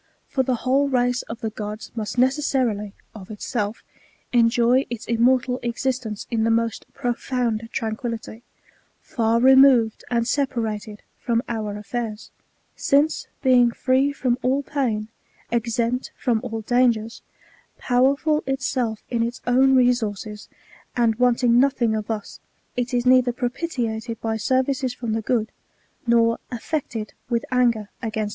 For the whole race of the gods must necessarily, of itself, enjoy its immortal existence in the most profound tranquillity, far removed and separated from our affairs; since, being free from all pain, exempt from all dangers, powerful itself in its own resources, and wanting nothing of us, it is neither propitiated » Dance round vigorously with ropes.] Ver. 631.